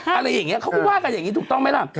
อะไรอย่างนี้เขาก็ว่ากันอย่างนี้ถูกต้องไหมล่ะ